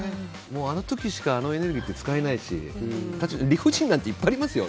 あの時しかあのエネルギーって使えないし、理不尽なんていっぱいありますよ。